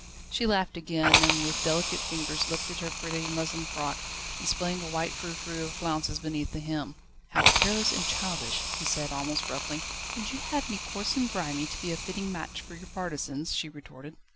She laughed again, and with delicate fingers lifted her pretty muslin frock, displaying a white frou frou of flounces beneath the hem. "How careless and childish!" he said, almost roughly. "Would you have me coarse and grimy to be a fitting match for your partisans?" she retorted.